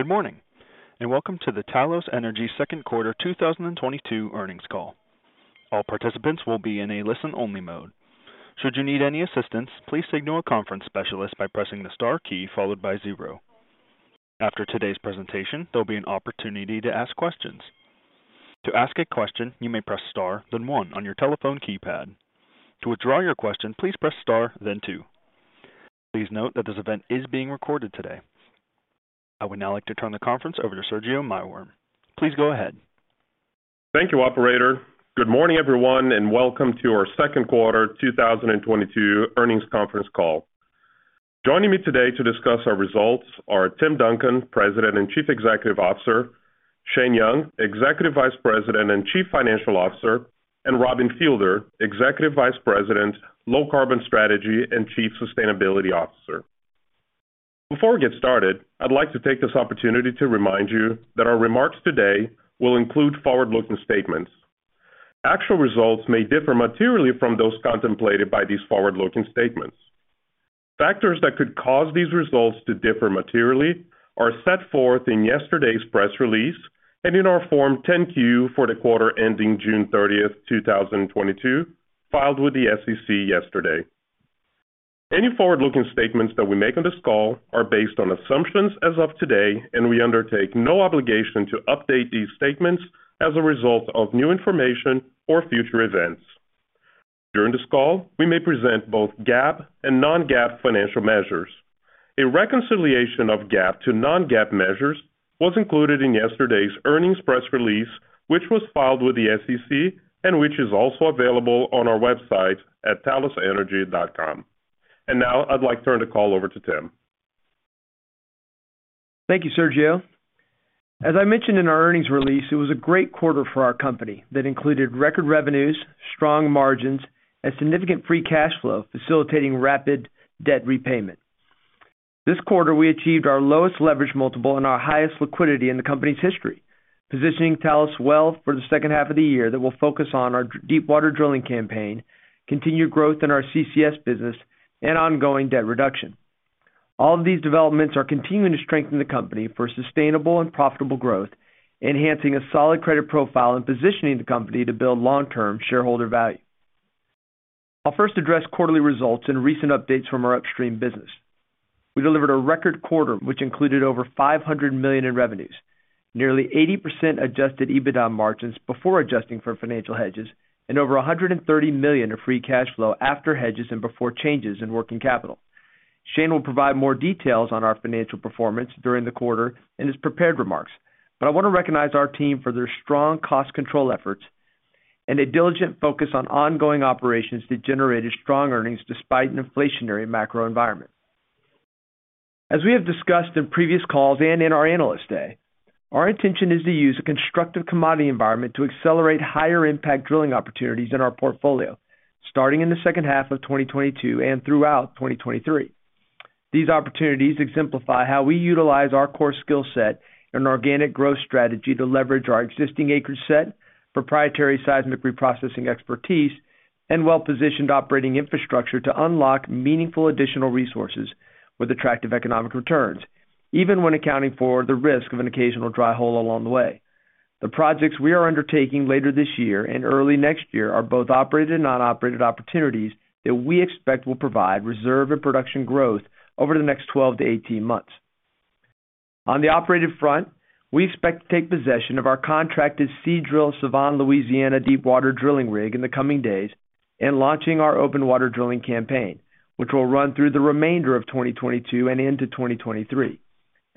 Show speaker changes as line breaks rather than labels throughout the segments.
Good morning, and Welcome to the Talos Energy Q2 2022 Earnings Call. I would now like to turn the conference over to Sergio Maiworm. Please go ahead.
Thank you, operator. Good morning, everyone, and welcome to our Q2 2022 earnings conference call. Joining me today to discuss our results are Tim Duncan, President and Chief Executive Officer, Shane Young, Executive Vice President and Chief Financial Officer, and Robin Fielder, Executive Vice President, Low Carbon Strategy and Chief Sustainability Officer. Before we get started, I'd like to take this opportunity to remind you that our remarks today will include forward-looking statements. Actual results may differ materially from those contemplated by these forward-looking statements. Factors that could cause these results to differ materially are set forth in yesterday's press release and in our Form 10-Q for the quarter ending June 30th, 2022, filed with the SEC yesterday. Any forward-looking statements that we make on this call are based on assumptions as of today, and we undertake no obligation to update these statements as a result of new information or future events. During this call, we may present both GAAP and non-GAAP financial measures. A reconciliation of GAAP to non-GAAP measures was included in yesterday's earnings press release, which was filed with the SEC and which is also available on our website at talosenergy.com. Now I'd like to turn the call over to Tim.
Thank you, Sergio. As I mentioned in our earnings release, it was a great quarter for our company that included record revenues, strong margins, and significant free cash flow facilitating rapid debt repayment. This quarter, we achieved our lowest leverage multiple and our highest liquidity in the company's history, positioning Talos well for the second half of the year that will focus on our deepwater drilling campaign, continued growth in our CCS business, and ongoing debt reduction. All of these developments are continuing to strengthen the company for sustainable and profitable growth, enhancing a solid credit profile and positioning the company to build long-term shareholder value. I'll first address quarterly results and recent updates from our upstream business. We delivered a record quarter, which included over $500 million in revenues, nearly 80% adjusted EBITDA margins before adjusting for financial hedges, and over $130 million of free cash flow after hedges and before changes in working capital. Shane will provide more details on our financial performance during the quarter in his prepared remarks, but I wanna recognize our team for their strong cost control efforts and a diligent focus on ongoing operations that generated strong earnings despite an inflationary macro environment. As we have discussed in previous calls and in our Analyst Day, our intention is to use a constructive commodity environment to accelerate higher impact drilling opportunities in our portfolio, starting in the second half of 2022 and throughout 2023. These opportunities exemplify how we utilize our core skill set in an organic growth strategy to leverage our existing acreage set, proprietary seismic reprocessing expertise, and well-positioned operating infrastructure to unlock meaningful additional resources with attractive economic returns, even when accounting for the risk of an occasional dry hole along the way. The projects we are undertaking later this year and early next year are both operated and non-operated opportunities that we expect will provide reserve and production growth over the next 12-18 months. On the operated front, we expect to take possession of our contracted Seadrill Sevan Louisiana deepwater drilling rig in the coming days and launching our open water drilling campaign, which will run through the remainder of 2022 and into 2023.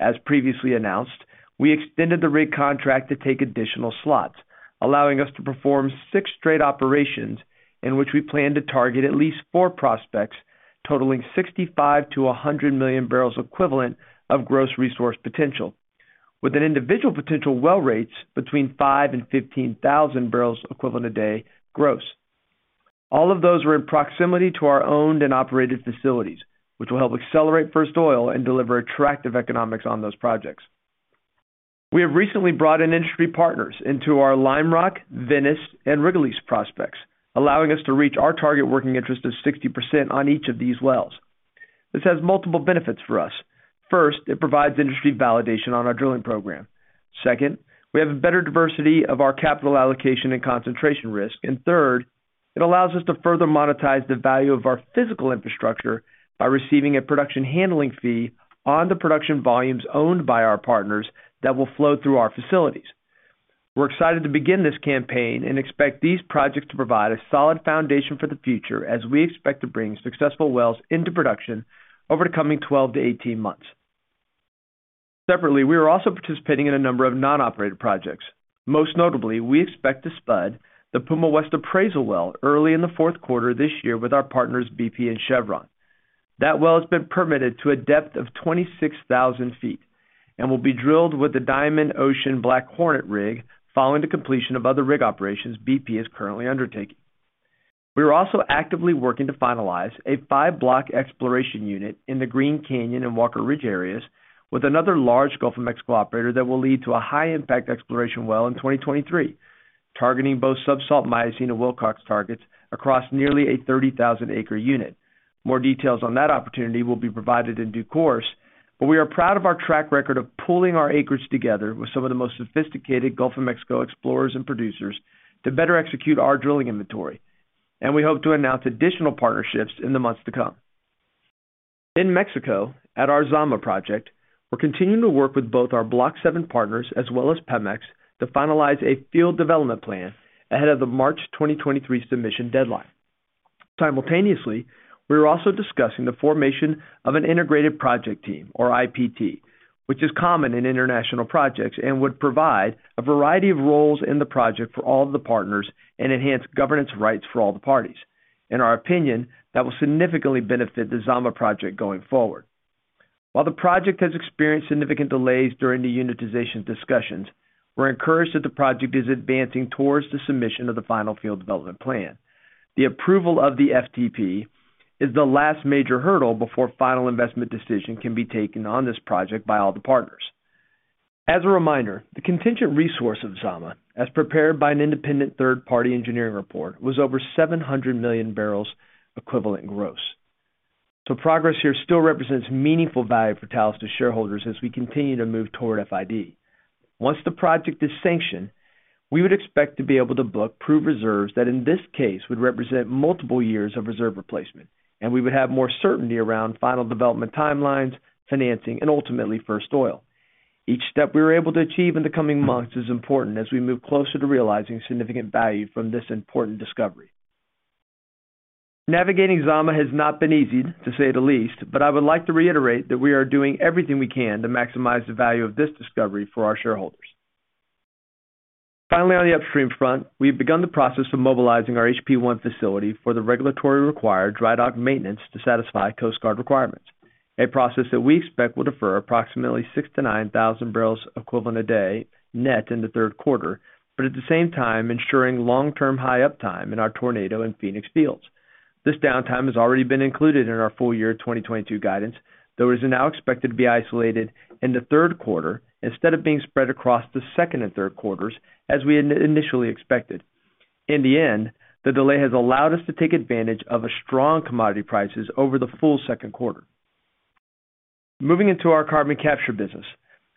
As previously announced, we extended the rig contract to take additional slots, allowing us to perform six straight operations in which we plan to target at least four prospects totaling 65-100 million barrels equivalent of gross resource potential. With individual potential well rates between 5,000 and 15,000 barrels equivalent a day gross. All of those are in proximity to our owned and operated facilities, which will help accelerate first oil and deliver attractive economics on those projects. We have recently brought in industry partners into our Lime Rock, Venice, and Rigolets prospects, allowing us to reach our target working interest of 60% on each of these wells. This has multiple benefits for us. 1st, it provides industry validation on our drilling program. 2nd, we have a better diversity of our capital allocation and concentration risk. Third, it allows us to further monetize the value of our physical infrastructure by receiving a production handling fee on the production volumes owned by our partners that will flow through our facilities. We're excited to begin this campaign and expect these projects to provide a solid foundation for the future as we expect to bring successful wells into production over the coming 12-18 months. Separately, we are also participating in a number of non-operated projects. Most notably, we expect to spud the Puma West appraisal well early in the Q4 this year with our partners BP and Chevron. That well has been permitted to a depth of 26,000 feet and will be drilled with the Ocean BlackHornet rig following the completion of other rig operations BP is currently undertaking. We are also actively working to finalize a 5-block exploration unit in the Green Canyon and Walker Ridge areas with another large Gulf of Mexico operator that will lead to a high-impact exploration well in 2023, targeting both subsalt Miocene and Wilcox targets across nearly a 30,000 acre unit. More details on that opportunity will be provided in due course, but we are proud of our track record of pooling our acreage together with some of the most sophisticated Gulf of Mexico explorers and producers to better execute our drilling inventory. We hope to announce additional partnerships in the months to come. In Mexico, at our Zama project, we're continuing to work with both our Block 7 partners as well as Pemex to finalize a field development plan ahead of the March 2023 submission deadline. Simultaneously, we are also discussing the formation of an integrated project team or IPT, which is common in international projects, and would provide a variety of roles in the project for all of the partners and enhance governance rights for all the parties. In our opinion, that will significantly benefit the Zama project going forward. While the project has experienced significant delays during the unitization discussions, we're encouraged that the project is advancing towards the submission of the final field development plan. The approval of the FDP is the last major hurdle before final investment decision can be taken on this project by all the partners. As a reminder, the contingent resource of Zama, as prepared by an independent third party engineering report, was over 700 million barrels equivalent gross. Progress here still represents meaningful value for Talos to shareholders as we continue to move toward FID. Once the project is sanctioned, we would expect to be able to book proved reserves that in this case would represent multiple years of reserve replacement, and we would have more certainty around final development timelines, financing, and ultimately first oil. Each step we are able to achieve in the coming months is important as we move closer to realizing significant value from this important discovery. Navigating Zama has not been easy, to say the least, but I would like to reiterate that we are doing everything we can to maximize the value of this discovery for our shareholders. Finally, on the upstream front, we have begun the process of mobilizing our HP-1 facility for the regulatory required dry dock maintenance to satisfy Coast Guard requirements. A process that we expect will defer approximately 6,000-9,000 barrels equivalent a day net in the Q3, but at the same time ensuring long-term high uptime in our Tornado and Phoenix fields. This downtime has already been included in our full year 2022 guidance, though is now expected to be isolated in the Q3 instead of being spread across the second and Q3s as we had initially expected. In the end, the delay has allowed us to take advantage of a strong commodity prices over the full Q2. Moving into our carbon capture business.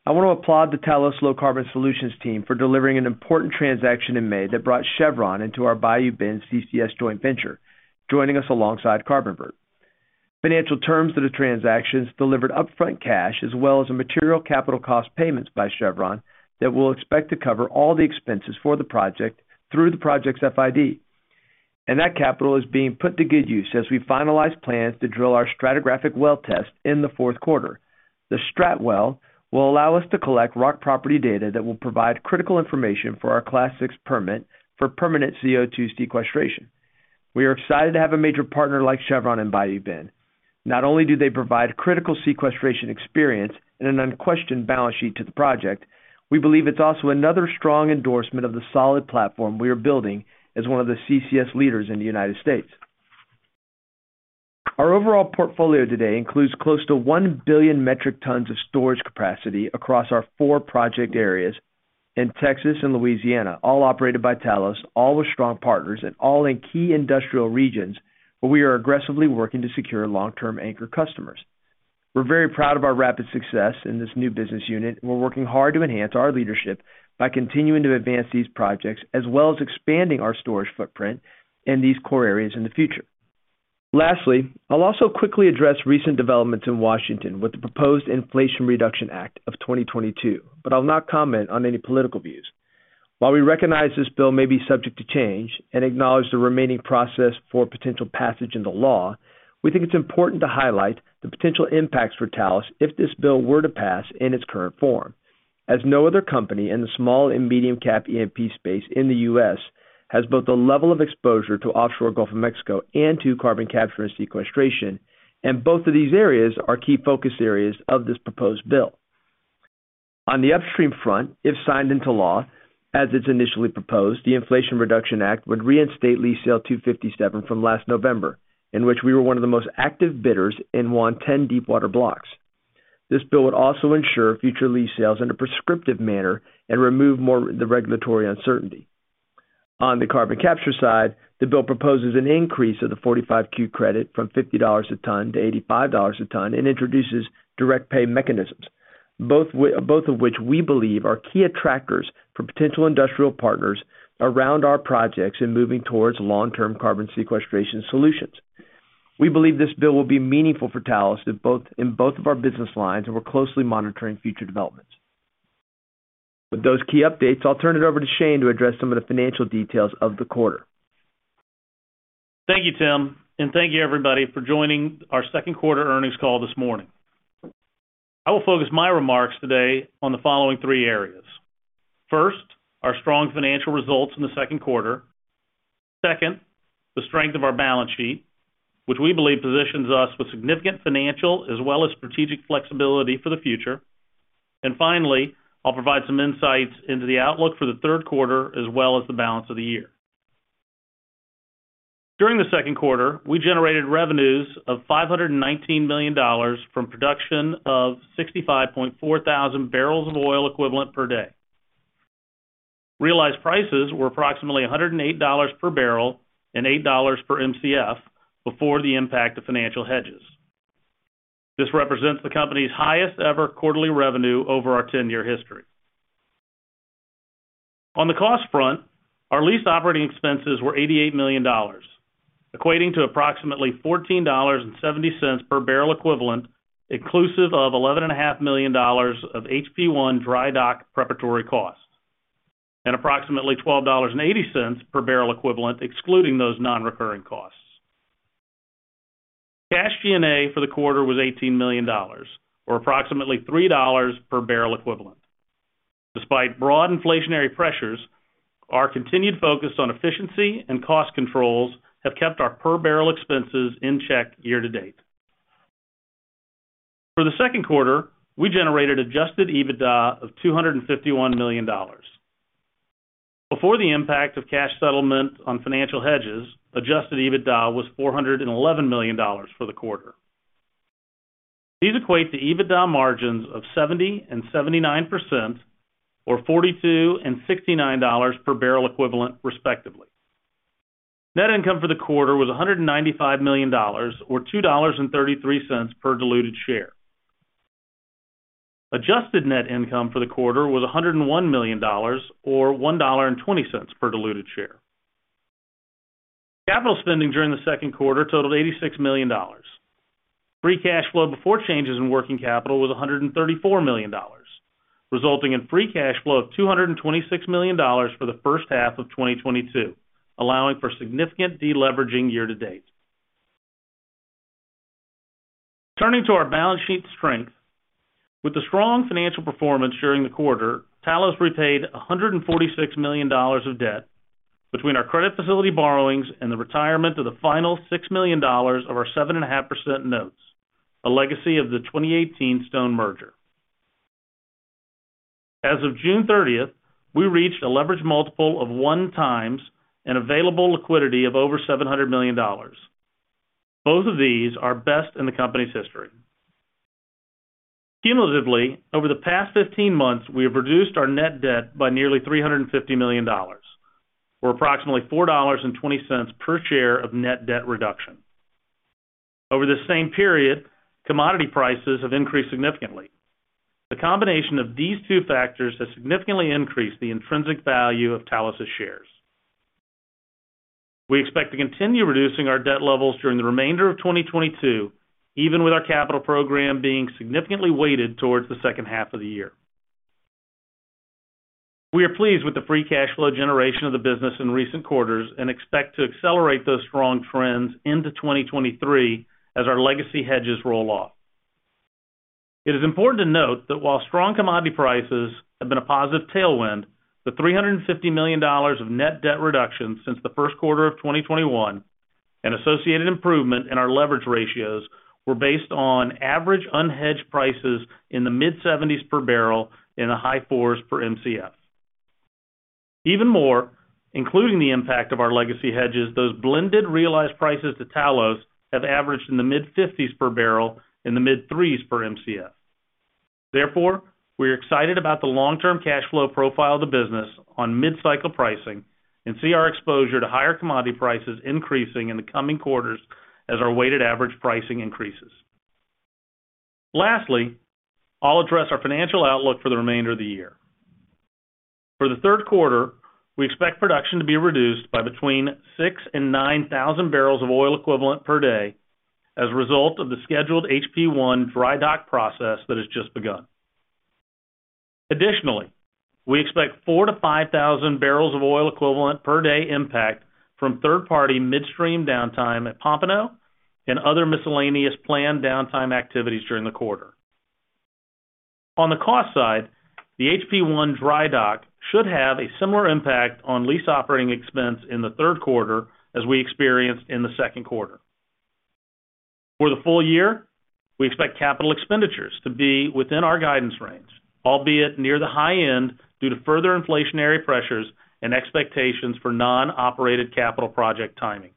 I want to applaud the Talos Low Carbon Solutions team for delivering an important transaction in May that brought Chevron into our Bayou Bend CCS joint venture, joining us alongside Carbonvert. Financial terms of the transactions delivered upfront cash as well as a material capital cost payments by Chevron that we'll expect to cover all the expenses for the project through the project's FID. That capital is being put to good use as we finalize plans to drill our stratigraphic well test in the Q4. The Strat well will allow us to collect rock property data that will provide critical information for our Class VI permit for permanent CO2 sequestration. We are excited to have a major partner like Chevron in Bayou Bend. Not only do they provide critical sequestration experience and an unquestioned balance sheet to the project, we believe it's also another strong endorsement of the solid platform we are building as one of the CCS leaders in the United States. Our overall portfolio today includes close to 1 billion metric tons of storage capacity across our four project areas in Texas and Louisiana, all operated by Talos, all with strong partners, and all in key industrial regions where we are aggressively working to secure long-term anchor customers. We're very proud of our rapid success in this new business unit, and we're working hard to enhance our leadership by continuing to advance these projects, as well as expanding our storage footprint in these core areas in the future. Lastly, I'll also quickly address recent developments in Washington with the proposed Inflation Reduction Act of 2022, but I'll not comment on any political views. While we recognize this bill may be subject to change and acknowledge the remaining process for potential passage in the law, we think it's important to highlight the potential impacts for Talos if this bill were to pass in its current form, as no other company in the small and medium cap E&P space in the US has both the level of exposure to offshore Gulf of Mexico and to carbon capture and sequestration, and both of these areas are key focus areas of this proposed bill. On the upstream front, if signed into law, as it's initially proposed, the Inflation Reduction Act would reinstate Lease Sale 257 from last November, in which we were one of the most active bidders and won 10 deepwater blocks. This bill would also ensure future lease sales in a prescriptive manner and remove more the regulatory uncertainty. On the carbon capture side, the bill proposes an increase of the 45Q credit from $50 a ton-$85 a ton and introduces direct pay mechanisms, both of which we believe are key attractors for potential industrial partners around our projects in moving towards long-term carbon sequestration solutions. We believe this bill will be meaningful for Talos in both of our business lines, and we're closely monitoring future developments. With those key updates, I'll turn it over to Shane to address some of the financial details of the quarter.
Thank you, Tim, and thank you everybody for joining our Q2 earnings call this morning. I will focus my remarks today on the following three areas. 1st, our strong financial results in the Q2. 2nd, the strength of our balance sheet, which we believe positions us with significant financial as well as strategic flexibility for the future. I'll provide some insights into the outlook for the Q3 as well as the balance of the year. During the Q2, we generated revenues of $519 million from production of 65.4 thousand barrels of oil equivalent per day. Realized prices were approximately $108 per barrel and $8 per Mcf before the impact of financial hedges. This represents the company's highest ever quarterly revenue over our 10-year history. On the cost front, our lease operating expenses were $88 million, equating to approximately $14.70 per barrel equivalent, inclusive of $11.5 million of HP-1 dry dock preparatory costs, and approximately $12.80 per barrel equivalent excluding those non-recurring costs. Cash G&A for the quarter was $18 million or approximately $3 per barrel equivalent. Despite broad inflationary pressures, our continued focus on efficiency and cost controls have kept our per barrel expenses in check year to date. For the Q2, we generated adjusted EBITDA of $251 million. Before the impact of cash settlement on financial hedges, adjusted EBITDA was $411 million for the quarter. These equate to EBITDA margins of 70% and 79% or $42 and $69 per barrel equivalent, respectively. Net income for the quarter was $195 million or $2.33 per diluted share. Adjusted net income for the quarter was $101 million or $1.20 per diluted share. Capital spending during the Q2 totaled $86 million. Free cash flow before changes in working capital was $134 million, resulting in free cash flow of $226 million for the first half of 2022, allowing for significant deleveraging year to date. Turning to our balance sheet strength. With the strong financial performance during the quarter, Talos repaid $146 million of debt between our credit facility borrowings and the retirement of the final $6 million of our 7.5% notes, a legacy of the 2018 Stone Energy merger. As of June 30th, we reached a leverage multiple of 1x and available liquidity of over $700 million. Both of these are best in the company's history. Cumulatively, over the past 15 months, we have reduced our net debt by nearly $350 million or approximately $4.20 per share of net debt reduction. Over the same period, commodity prices have increased significantly. The combination of these two factors has significantly increased the intrinsic value of Talos' shares. We expect to continue reducing our debt levels during the remainder of 2022, even with our capital program being significantly weighted towards the second half of the year. We are pleased with the free cash flow generation of the business in recent quarters, and expect to accelerate those strong trends into 2023 as our legacy hedges roll off. It is important to note that while strong commodity prices have been a positive tailwind, the $350 million of net debt reduction since the Q1 of 2021 and associated improvement in our leverage ratios were based on average unhedged prices in the mid-70s per barrel and high 40s per Mcf. Even more, including the impact of our legacy hedges, those blended realized prices to Talos have averaged in the mid-50s per barrel and the mid-30s per Mcf. Therefore, we're excited about the long-term cash flow profile of the business on mid-cycle pricing and see our exposure to higher commodity prices increasing in the coming quarters as our weighted average pricing increases. Lastly, I'll address our financial outlook for the remainder of the year. For the Q3, we expect production to be reduced by between 6,000 and 9,000 barrels of oil equivalent per day as a result of the scheduled HP-1 dry dock process that has just begun. Additionally, we expect 4,000-5,000 barrels of oil equivalent per day impact from third-party midstream downtime at Pompano and other miscellaneous planned downtime activities during the quarter. On the cost side, the HP-1 dry dock should have a similar impact on lease operating expense in the Q3 as we experienced in the Q2. For the full year, we expect capital expenditures to be within our guidance range, albeit near the high end due to further inflationary pressures and expectations for non-operated capital project timing.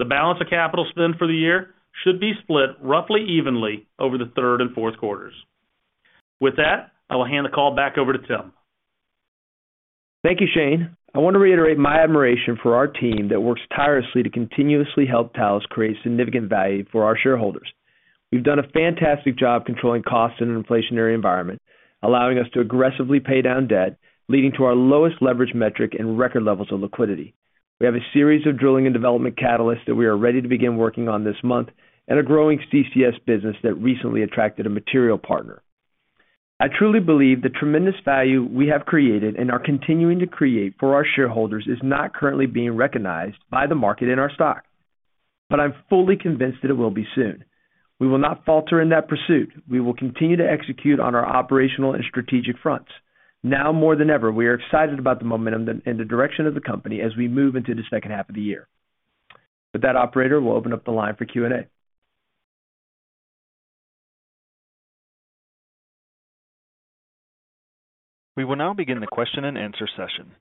The balance of capital spend for the year should be split roughly evenly over the Q3 and Q4s. With that, I will hand the call back over to Tim.
Thank you, Shane. I want to reiterate my admiration for our team that works tirelessly to continuously help Talos create significant value for our shareholders. We've done a fantastic job controlling costs in an inflationary environment, allowing us to aggressively pay down debt, leading to our lowest leverage metric and record levels of liquidity. We have a series of drilling and development catalysts that we are ready to begin working on this month and a growing CCS business that recently attracted a material partner. I truly believe the tremendous value we have created and are continuing to create for our shareholders is not currently being recognized by the market in our stock. I'm fully convinced that it will be soon. We will not falter in that pursuit. We will continue to execute on our operational and strategic fronts. Now more than ever, we are excited about the momentum and the direction of the company as we move into the second half of the year. With that, operator, we'll open up the line for Q&A.
We will now begin the question-and-answer session.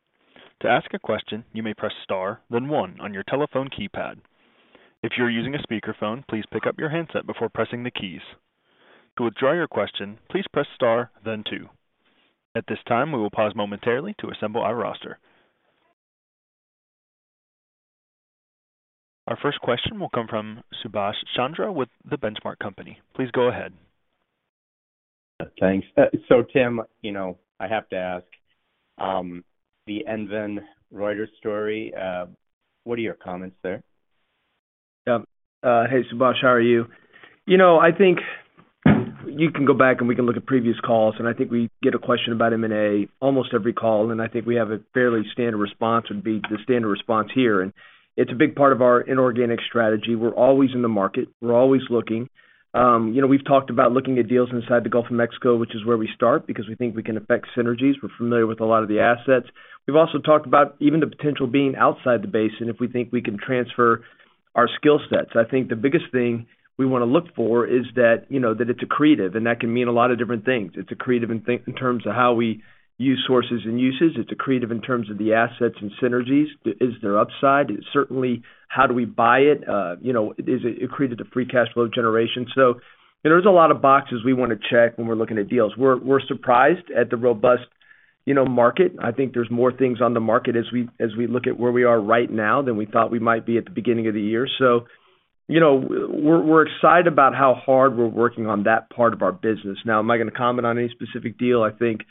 Our 1st question will come from Subash Chandra with The Benchmark Company. Please go ahead.
Thanks. Tim, you know, I have to ask, the EnVen Reuters story, what are your comments there?
Yeah, hey, Subash, how are you? You know, I think you can go back and we can look at previous calls, and I think we get a question about M&A almost every call. I think we have a fairly standard response, would be the standard response here. It's a big part of our inorganic strategy. We're always in the market. We're always looking, you know, we've talked about looking at deals inside the Gulf of Mexico, which is where we start because we think we can affect synergies. We're familiar with a lot of the assets. We've also talked about even the potential being outside the basin if we think we can transfer our skill sets. I think the biggest thing we want to look for is that, you know, that it's accretive, and that can mean a lot of different things. It's accretive in terms of how we use sources and uses. It's accretive in terms of the assets and synergies. Is there upside? Certainly, how do we buy it? You know, is it accretive to free cash flow generation? There's a lot of boxes we want to check when we're looking at deals. We're surprised at the robust, you know, market. I think there's more things on the market as we look at where we are right now than we thought we might be at the beginning of the year. You know, we're excited about how hard we're working on that part of our business. Now, am I gonna comment on any specific deal? I think,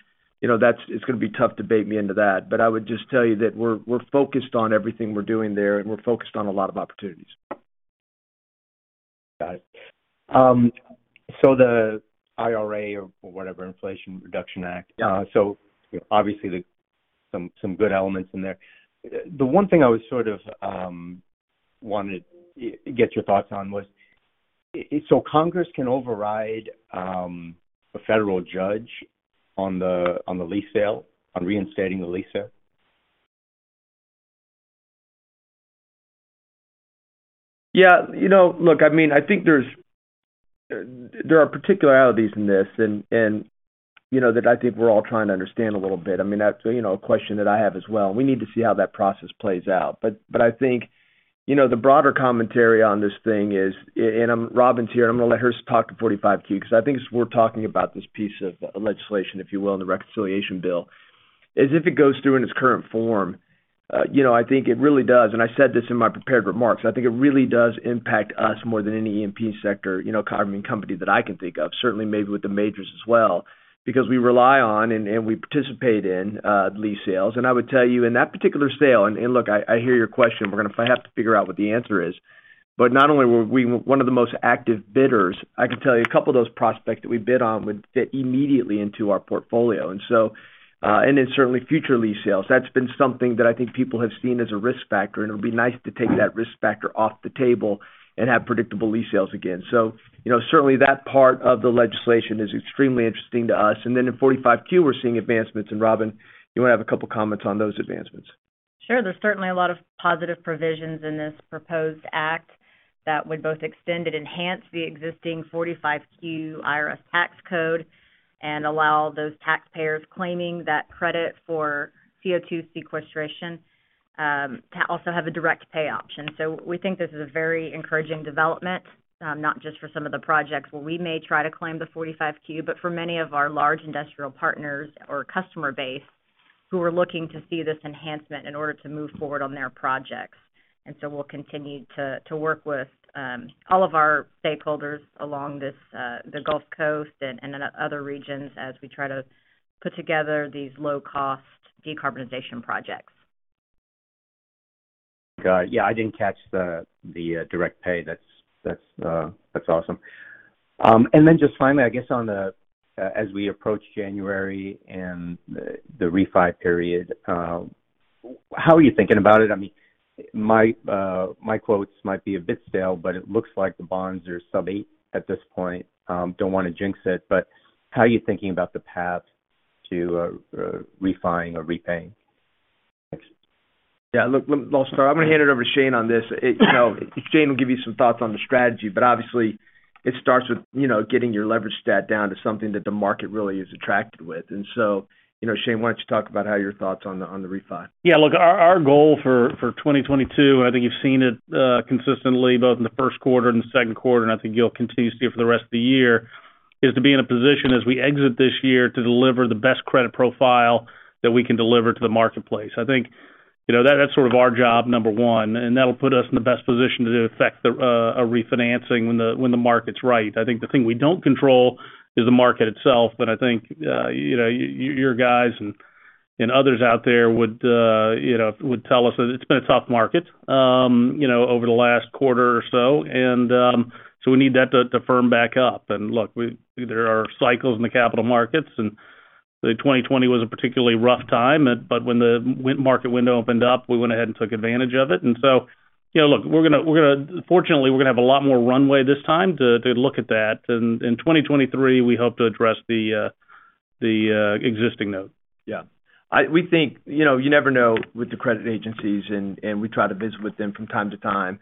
you know, that's, it's gonna be tough to bait me into that. I would just tell you that we're focused on everything we're doing there, and we're focused on a lot of opportunities.
Got it. The IRA or whatever, Inflation Reduction Act. Obviously there's some good elements in there. The one thing I was sort of wanted to get your thoughts on was Congress can override a federal judge on the lease sale, on reinstating the lease sale?
Yeah. You know, look, I mean, I think there are particularities in this and you know that I think we're all trying to understand a little bit. I mean, that's, you know, a question that I have as well, and we need to see how that process plays out. I think, you know, the broader commentary on this thing is, Robin's here, I'm gonna let her talk to 45Q because I think it's worth talking about this piece of legislation, if you will, on the reconciliation bill, is if it goes through in its current form, you know, I think it really does, and I said this in my prepared remarks, I think it really does impact us more than any E&P sector, you know, carbon company that I can think of. Certainly maybe with the majors as well, because we rely on and we participate in lease sales. I would tell you in that particular sale, and look, I hear your question. We're gonna have to figure out what the answer is. Not only were we one of the most active bidders, I can tell you a couple of those prospects that we bid on would fit immediately into our portfolio. Certainly future lease sales. That's been something that I think people have seen as a risk factor, and it would be nice to take that risk factor off the table and have predictable lease sales again. You know, certainly that part of the legislation is extremely interesting to us. In 45Q, we're seeing advancements. Robin, you want to have a couple comments on those advancements.
Sure. There's certainly a lot of positive provisions in this proposed act that would both extend and enhance the existing 45Q IRS tax code and allow those taxpayers claiming that credit for CO₂ sequestration to also have a direct pay option. We think this is a very encouraging development, not just for some of the projects where we may try to claim the 45Q, but for many of our large industrial partners or customer base who are looking to see this enhancement in order to move forward on their projects. We'll continue to work with all of our stakeholders along the Gulf Coast and other regions as we try to put together these low-cost decarbonization projects.
Got it. Yeah, I didn't catch the direct pay. That's awesome. Just finally, I guess as we approach January and the refi period, how are you thinking about it? I mean, my quotes might be a bit stale, but it looks like the bonds are sub-eight at this point. Don't want to jinx it, but how are you thinking about the path to refining or repaying?
Yeah, look, I'll start. I'm gonna hand it over to Shane on this. You know, Shane will give you some thoughts on the strategy, but obviously it starts with, you know, getting your leverage stat down to something that the market really is attracted with. You know, Shane, why don't you talk about how your thoughts on the refi?
Yeah. Look, our goal for 2022, I think you've seen it consistently both in the Q1 and the Q2, and I think you'll continue to see it for the rest of the year, is to be in a position as we exit this year to deliver the best credit profile that we can deliver to the marketplace. I think, you know, that's sort of our job, number one, and that'll put us in the best position to effect a refinancing when the market's right. I think the thing we don't control is the market itself, but I think, you know, your guys and others out there would tell us that it's been a tough market, you know, over the last quarter or so. We need that to firm back up. Look, there are cycles in the capital markets, and 2020 was a particularly rough time. When the window opened up, we went ahead and took advantage of it, you know, look, we're gonna fortunately have a lot more runway this time to look at that. In 2023, we hope to address the existing note.
Yeah. We think, you know, you never know with the credit agencies, and we try to visit with them from time to time,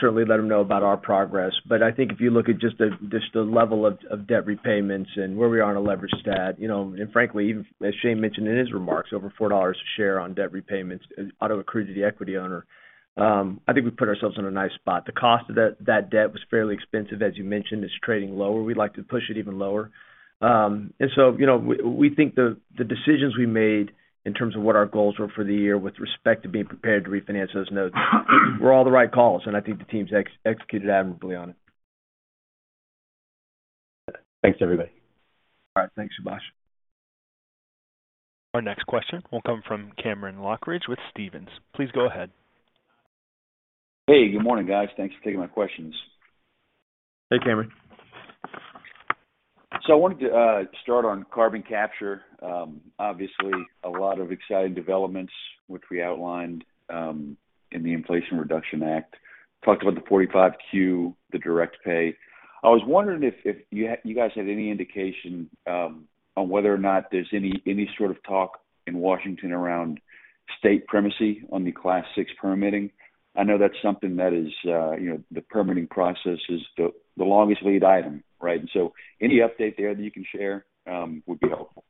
certainly let them know about our progress. I think if you look at just the level of debt repayments and where we are on a leverage stat, you know, and frankly, even as Shane mentioned in his remarks, over $4 a share on debt repayments ought to accrue to the equity owner. I think we put ourselves in a nice spot. The cost of that debt was fairly expensive, as you mentioned. It's trading lower. We'd like to push it even lower. You know, we think the decisions we made in terms of what our goals were for the year with respect to being prepared to refinance those notes were all the right calls, and I think the team's executed admirably on it.
Thanks, everybody.
All right. Thanks, Subash.
Our next question will come from Cameron Lochridge with Stephens. Please go ahead.
Hey, good morning, guys. Thanks for taking my questions.
Hey, Cameron.
I wanted to start on carbon capture. Obviously a lot of exciting developments which we outlined in the Inflation Reduction Act. Talked about the 45Q, the direct pay. I was wondering if you guys had any indication on whether or not there's any sort of talk in Washington around state primacy on the Class VI permitting. I know that's something that you know, the permitting process is the longest lead item, right? Any update there that you can share would be helpful.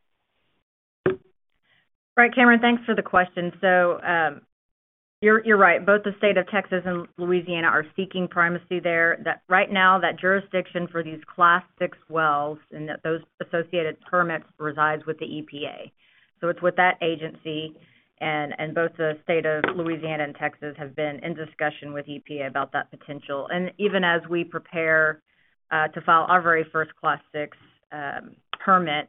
Right, Cameron, thanks for the question. You're right. Both the state of Texas and Louisiana are seeking primacy there. Right now, that jurisdiction for these Class VI wells and those associated permits resides with the EPA. It's with that agency, and both the state of Louisiana and Texas have been in discussion with EPA about that potential. Even as we prepare to file our very first Class VI permits,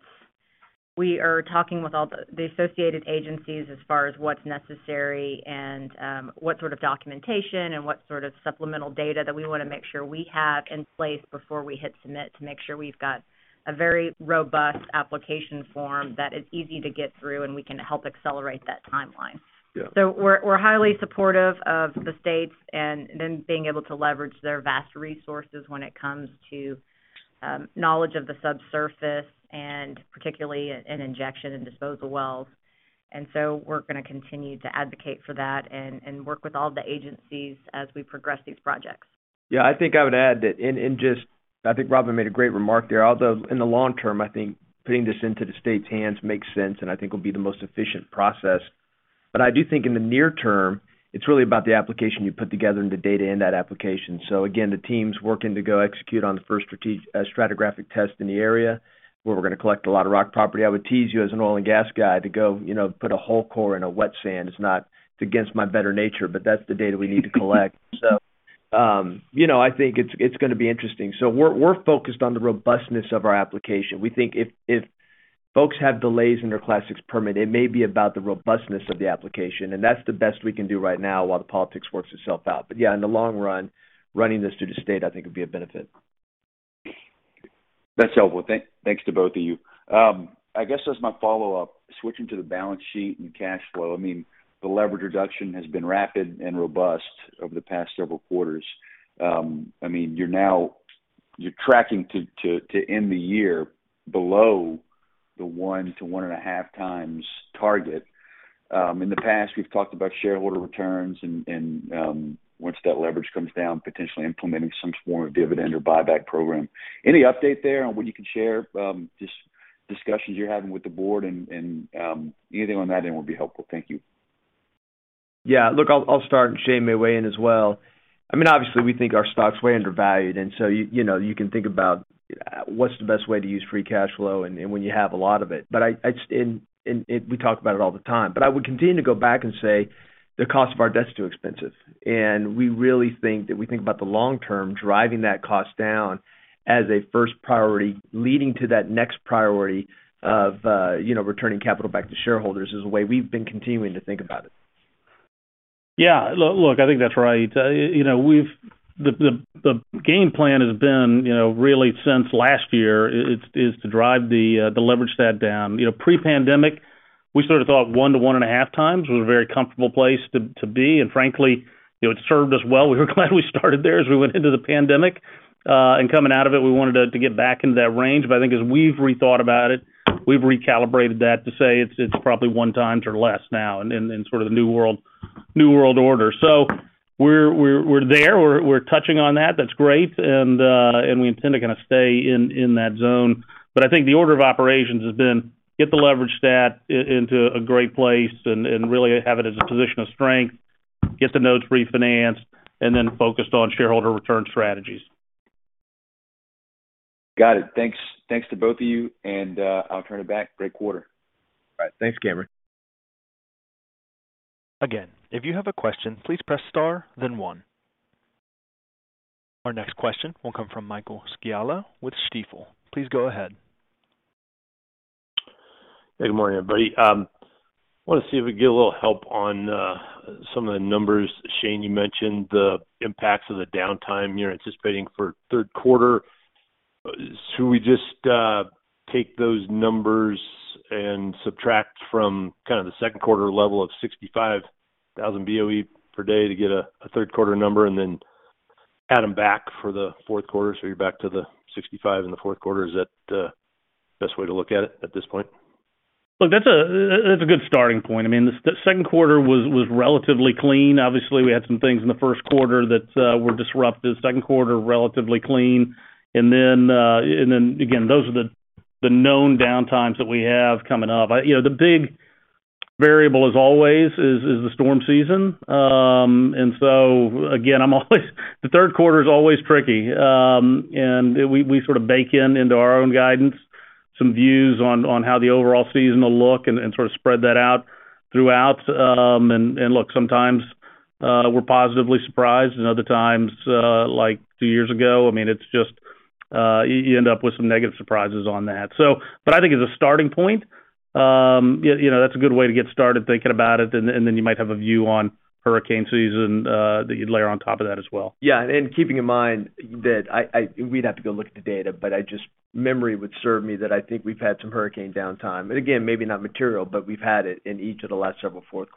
we are talking with all the associated agencies as far as what's necessary and what sort of documentation and what sort of supplemental data that we wanna make sure we have in place before we hit submit to make sure we've got a very robust application form that is easy to get through, and we can help accelerate that timeline.
Yeah.
We're highly supportive of the states and them being able to leverage their vast resources when it comes to knowledge of the subsurface and particularly in injection and disposal wells. We're gonna continue to advocate for that and work with all the agencies as we progress these projects.
Yeah. I think I would add that and just I think Robin made a great remark there. Although in the long term, I think putting this into the state's hands makes sense, and I think will be the most efficient process. I do think in the near term, it's really about the application you put together and the data in that application. Again, the team's working to go execute on the first stratigraphic test in the area, where we're gonna collect a lot of rock property. I would tease you as an oil and gas guy to go, you know, put a whole core in a wet sand. It's not. It's against my better nature, but that's the data we need to collect. You know, I think it's gonna be interesting. We're focused on the robustness of our application. We think if folks have delays in their Class VI permit, it may be about the robustness of the application, and that's the best we can do right now while the politics works itself out. Yeah, in the long run, running this through the state I think would be a benefit.
That's helpful. Thanks to both of you. I guess as my follow-up, switching to the balance sheet and cash flow, I mean, the leverage reduction has been rapid and robust over the past several quarters. I mean, you're now tracking to end the year below the 1-1.5x target. In the past, we've talked about shareholder returns and once that leverage comes down, potentially implementing some form of dividend or buyback program. Any update there on what you can share, just discussions you're having with the board and anything on that end will be helpful. Thank you.
Yeah. Look, I'll start, and Shane may weigh in as well. I mean, obviously, we think our stock's way undervalued, and so, you know, you can think about what's the best way to use free cash flow and when you have a lot of it. We talk about it all the time, but I would continue to go back and say the cost of our debt is too expensive. We really think about the long term, driving that cost down as a first priority, leading to that next priority of, you know, returning capital back to shareholders is the way we've been continuing to think about it. Look, I think that's right. You know, the game plan has been, you know, really since last year is to drive the leverage stat down. You know, pre-pandemic, we sort of thought 1-1.5x was a very comfortable place to be. Frankly, you know, it served us well. We were glad we started there as we went into the pandemic. Coming out of it, we wanted to get back into that range. I think as we've rethought about it, we've recalibrated that to say it's probably 1x or less now in sort of the new world order. We're there. We're touching on that. That's great. We intend to kind a stay in that zone. I think the order of operations has been get the leverage stats into a great place and really have it as a position of strength, get the notes refinanced, and then focused on shareholder return strategies.
Got it. Thanks. Thanks to both of you. I'll turn it back. Great quarter.
All right. Thanks, Cameron.
Our next question will come from Michael Scialla with Stifel. Please go ahead.
Hey, good morning, everybody. Wanna see if we can get a little help on some of the numbers. Shane, you mentioned the impacts of the downtime you're anticipating for Q3. Should we just take those numbers and subtract from kind of the Q2 level of 65,000 BOE per day to get a Q3 number and then add them back for the Q4 so you're back to the 65,000 in the Q4? Is that the best way to look at it at this point?
Look, that's a good starting point. I mean, the Q2 was relatively clean. Obviously, we had some things in the Q1 that were disrupted. Q2, relatively clean. Then again, those are the known downtimes that we have coming up. You know, the big variable as always is the storm season. And so again, the Q3 is always tricky. We sort of bake it into our own guidance. Some views on how the overall season will look and sort of spread that out throughout. Look, sometimes we're positively surprised and other times, like two years ago, I mean, it's just you end up with some negative surprises on that. But I think as a starting point, you know, that's a good way to get started thinking about it. You might have a view on hurricane season that you'd layer on top of that as well. Yeah. Keeping in mind that we'd have to go look at the data, but if memory serves me, I think we've had some hurricane downtime. Again, maybe not material, but we've had it in each of the last several Q4s.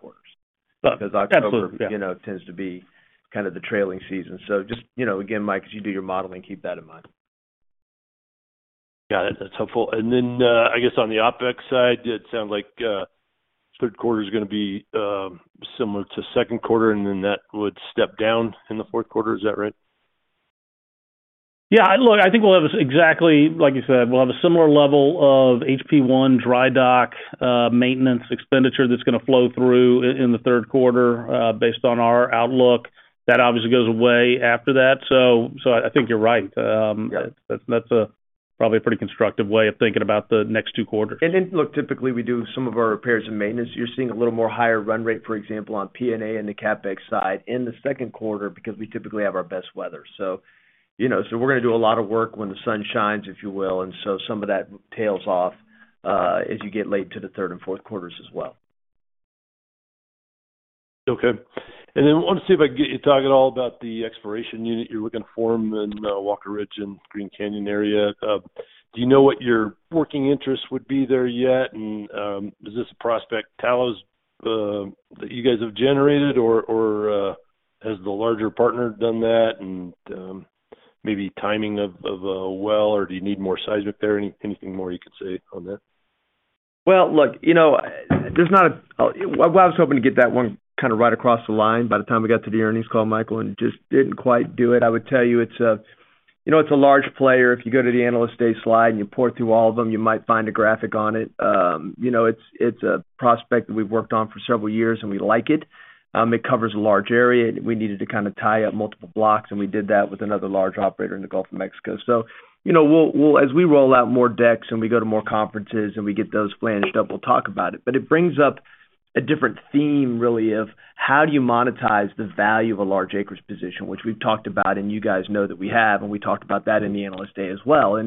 Absolutely, yeah.
Because October, you know, tends to be kind of the trailing season. Just, you know, again, Mike, as you do your modeling, keep that in mind.
Got it. That's helpful. I guess on the OpEx side, did sound like Q3 is gonna be similar to the Q2, and then that would step down in the Q4. Is that right?
Yeah, look, I think we'll have exactly like you said, we'll have a similar level of HP-1 dry dock maintenance expenditure that's gonna flow through in the Q3, based on our outlook. That obviously goes away after that. I think you're right.
Got it.
That's probably a pretty constructive way of thinking about the next Q2.
Look, typically we do some of our repairs and maintenance. You're seeing a little more higher run rate, for example, on P&A and the CapEx side in the Q2 because we typically have our best weather. You know, so we're gonna do a lot of work when the sun shines, if you will. Some of that tails off as you get late to the Q3 and Q4s as well.
Okay. I want to see if I can get you talking at all about the exploration unit you're looking for in Walker Ridge and Green Canyon area. Do you know what your working interest would be there yet? Is this a prospect Talos that you guys have generated? Or has the larger partner done that? Maybe timing of a well, or do you need more seismic there? Anything more you can say on that?
Well, look, you know, I was hoping to get that one kind a right across the line by the time we got to the earnings call, Michael, and just didn't quite do it. I would tell you it's a large player. You know, it's a large player. If you go to the Analyst Day slide and you pour through all of them, you might find a graphic on it. You know, it's a prospect that we've worked on for several years, and we like it. It covers a large area. We needed to kind a tie up multiple blocks, and we did that with another large operator in the Gulf of Mexico. You know, as we roll out more decks and we go to more conferences and we get those fleshed out, we'll talk about it. It brings up a different theme, really, of how do you monetize the value of a large acreage position, which we've talked about, and you guys know that we have, and we talked about that in the Analyst Day as well.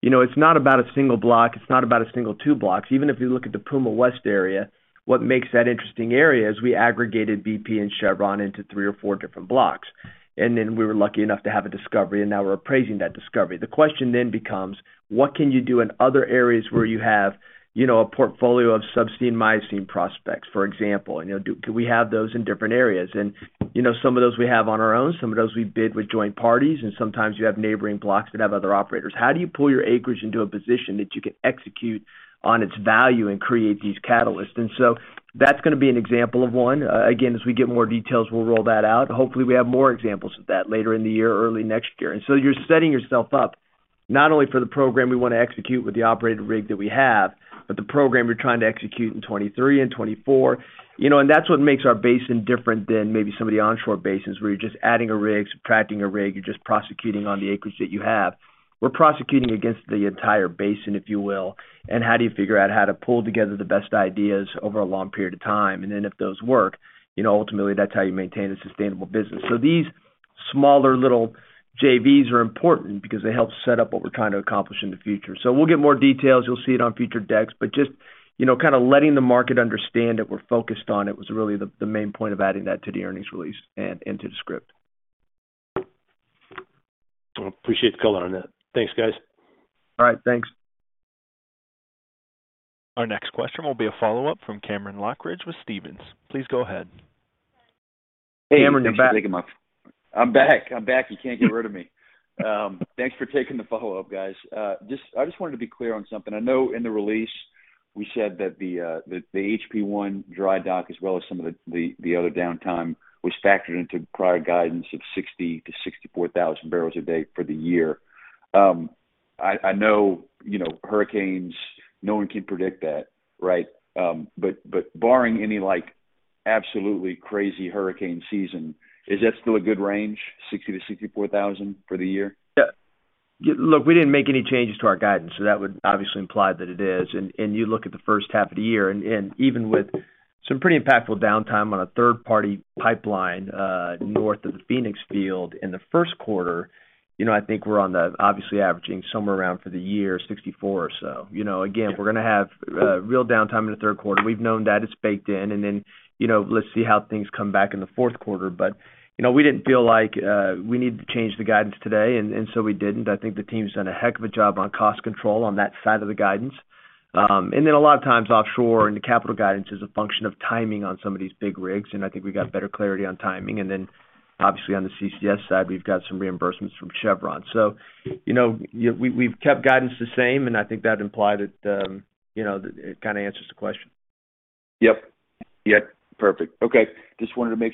You know, it's not about a single block, it's not about a single two blocks. Even if you look at the Puma West area, what makes that interesting area is we aggregated BP and Chevron into three or four different blocks. Then we were lucky enough to have a discovery, and now we're appraising that discovery. The question then becomes, what can you do in other areas where you have, you know, a portfolio of subsalt Miocene prospects, for example? You know, can we have those in different areas? You know, some of those we have on our own, some of those we bid with joint parties, and sometimes you have neighboring blocks that have other operators. How do you pull your acreage into a position that you can execute on its value and create these catalysts? That's gonna be an example of one. Again, as we get more details, we'll roll that out. Hopefully, we have more examples of that later in the year or early next year. You're setting yourself up not only for the program we wanna execute with the operated rig that we have, but the program you're trying to execute in 2023 and 2024. You know, that's what makes our basin different than maybe some of the onshore basins, where you're just adding a rig, subtracting a rig, you're just prosecuting on the acreage that you have. We're prosecuting against the entire basin, if you will, and how do you figure out how to pull together the best ideas over a long period of time? Then if those work, you know, ultimately, that's how you maintain a sustainable business. These smaller little JVs are important because they help set up what we're trying to accomplish in the future. We'll get more details. You'll see it on future decks. Just, you know, kind a letting the market understand that we're focused on it was really the main point of adding that to the earnings release and into the script.
Appreciate the color on that. Thanks, guys.
All right. Thanks.
Our next question will be a follow-up from Cameron Lochridge with Stephens. Please go ahead.
Hey, Cameron. You're back.
I'm back. You can't get rid of me. Thanks for taking the follow-up, guys. I just wanted to be clear on something. I know in the release we said that the HP-1 dry dock, as well as some of the other downtime was factored into prior guidance of 60,000-64,000 barrels a day for the year. I know, you know, hurricanes, no one can predict that, right? But barring any, like, absolutely crazy hurricane season, is that still a good range, 60,000-64,000 for the year?
Yeah. Look, we didn't make any changes to our guidance, so that would obviously imply that it is. You look at the first half of the year, and even with some pretty impactful downtime on a third-party pipeline north of the Phoenix field in the Q1, you know, I think we're on track, obviously averaging somewhere around for the year 64 or so. You know, again, we're gonna have real downtime in the Q3. We've known that, it's baked in. Then, you know, let's see how things come back in the Q4. You know, we didn't feel like we need to change the guidance today, and so we didn't. I think the team's done a heck of a job on cost control on that side of the guidance. A lot of times offshore in the capital guidance is a function of timing on some of these big rigs, and I think we got better clarity on timing. Obviously on the CCS side, we've got some reimbursements from Chevron. You know, we've kept guidance the same, and I think that implied that, you know, it kind a answers the question.
Yep. Perfect. Okay. Just wanted to make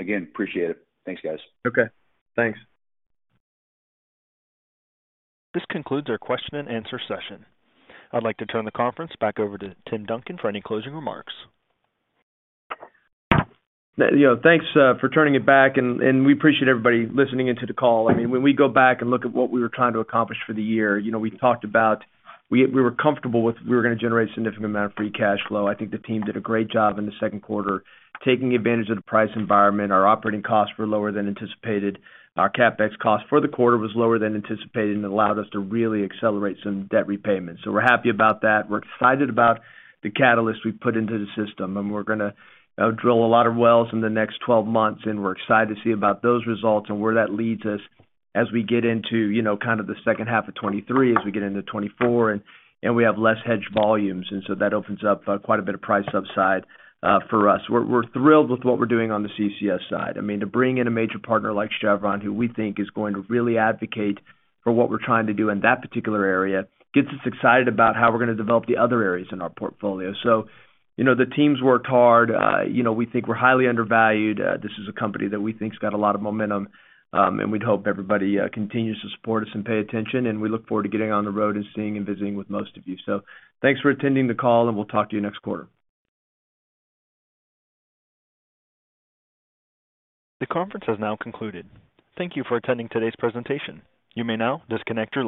sure. Again, appreciate it. Thanks, guys.
Okay. Thanks.
This concludes our question and answer session. I'd like to turn the conference back over to Tim Duncan for any closing remarks.
You know, thanks for turning it back, and we appreciate everybody listening into the call. I mean, when we go back and look at what we were trying to accomplish for the year, you know, we talked about we were comfortable with generating a significant amount of free cash flow. I think the team did a great job in the Q2 taking advantage of the price environment. Our operating costs were lower than anticipated. Our CapEx cost for the quarter was lower than anticipated, and it allowed us to really accelerate some debt repayments. We're happy about that. We're excited about the catalyst we've put into the system, and we're gonna drill a lot of wells in the next 12 months, and we're excited to see about those results and where that leads us as we get into, you know, kind of the second half of 2023, as we get into 2024, and we have less hedged volumes, and so that opens up quite a bit of price upside for us. We're thrilled with what we're doing on the CCS side. I mean, to bring in a major partner like Chevron, who we think is going to really advocate for what we're trying to do in that particular area, gets us excited about how we're gonna develop the other areas in our portfolio. You know, the team's worked hard. You know, we think we're highly undervalued. This is a company that we think has got a lot of momentum. We'd hope everybody continues to support us and pay attention, and we look forward to getting on the road and seeing and visiting with most of you. Thanks for attending the call, and we'll talk to you next quarter.
The conference has now concluded. Thank you for attending today's presentation. You may now disconnect your lines.